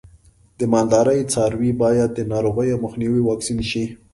د مالدارۍ څاروی باید د ناروغیو مخنیوي واکسین شي.